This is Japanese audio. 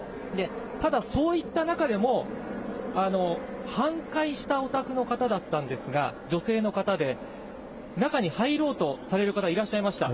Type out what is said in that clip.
ただ、そういった中でも、半壊したお宅の方だったんですが、女性の方で、中に入ろうとされる方、いらっしゃいました。